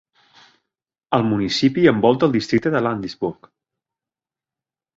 El municipi envolta el districte de Landisburg.